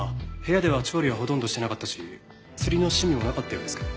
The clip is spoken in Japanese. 部屋では調理はほとんどしてなかったし釣りの趣味もなかったようですけど。